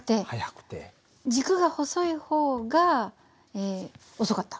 軸が細い方が遅かった。